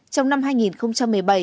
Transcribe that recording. trong năm hai nghìn một mươi bảy